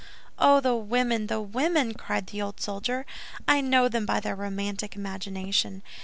"Oh, the women, the women!" cried the old soldier. "I know them by their romantic imagination.